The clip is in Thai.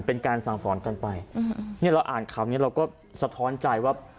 เป็นการสั่งสอนกันไปเนี่ยเราอ่านข่าวนี้เราก็สะท้อนใจว่า